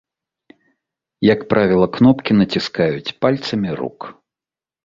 Як правіла, кнопкі націскаюць пальцамі рук.